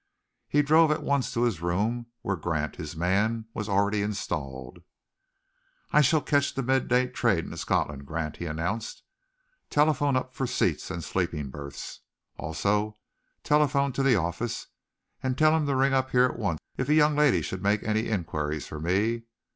He drove at once to his rooms, where Grant, his man, was already installed. "I shall catch the mid day train to Scotland, Grant," he announced. "Telephone up for seats and sleeping berths. Also telephone to the office, and tell them to ring up here at once if a young lady should make any inquiries for me.